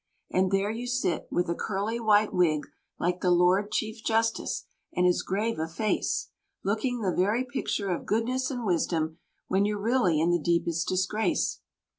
And there you sit, with a curly white wig, like the Lord Chief Justice, and as grave a face, Looking the very picture of goodness and wisdom, when you're really in the deepest disgrace.